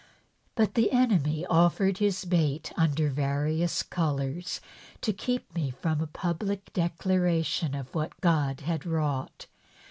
But the enemy offered his bait under various colours to keep me from a public declaration of what God had wrought.